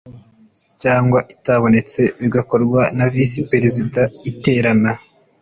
cyangwa atabonetse bigakorwa na Visi Perezida Iterana